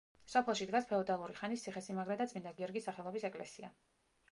სოფელში დგას ფეოდალური ხანის ციხესიმაგრე და წმინდა გიორგის სახელობის ეკლესია.